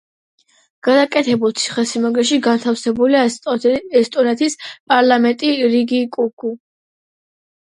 გადაკეთებულ ციხესიმაგრეში განტავსებულია ესტონეთის პარლამენტი რიიგიკოგუ.